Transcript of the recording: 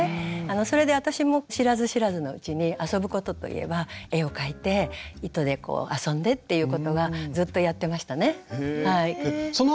それで私も知らず知らずのうちに遊ぶことといえば絵を描いて糸で遊んでっていうことがずっとやってましたね。